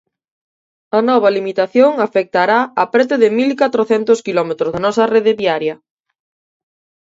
A nova limitación afectará a preto de mil catrocentos quilómetros da nosa rede viaria.